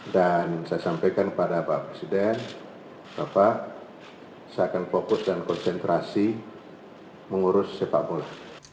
dan saya sampaikan kepada pak presiden bapak saya akan fokus dan konsentrasi mengurus sepak bola